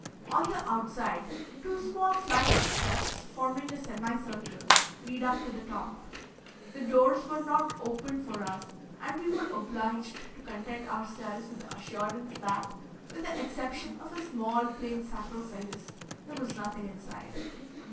On the outside, two small flights of steps, forming a semicircle, lead up to the top. The doors were not opened for us, and we were obliged to content ourselves with the assurance that, with the exception of a small, plain sarcophagus there was nothing inside.